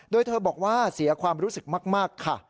โดยเธอบอกว่าเสียความรู้สึกมากค่ะ